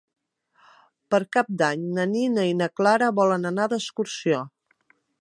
Per Cap d'Any na Nina i na Clara volen anar d'excursió.